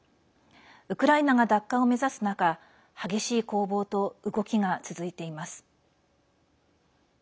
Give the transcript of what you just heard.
ウクライナが奪還を目指す中激しい攻防と動きが続いています。